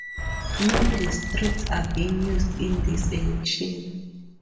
New districts are being used in this election.